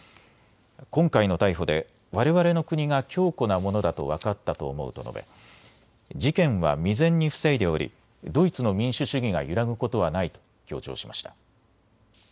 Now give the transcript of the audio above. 今回の逮捕でわれわれの国が強固なものだと分かったと思うと述べ事件は未然に防いでおりドイツの民主主義が揺らぐことはないと強調しました。